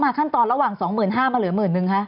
มาขั้นตอนระหว่าง๒๕๐๐๐บาทมาเหลือ๑๐๐๐๐บาท